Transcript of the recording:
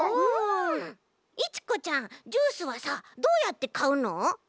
いちこちゃんジュースはさどうやってかうの？